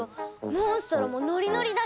モンストロもノリノリだし。